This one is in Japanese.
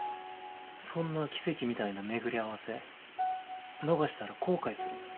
そんな奇跡みたいな巡り合わせ逃したら後悔する。